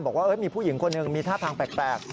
บอกว่ามีผู้หญิงคนหนึ่งมีท่าทางแปลก